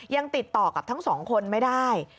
ยังติดต่อกับทั้งสองคนไม่ได้